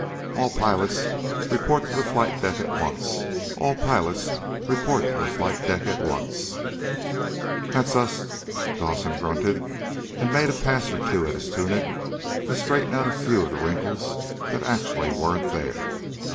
"All pilots report to the flight deck at once! All pilots report to the flight deck at once!" "That's us!" Dawson grunted, and made a pass or two at his tunic to straighten out a few of the wrinkles that actually weren't there.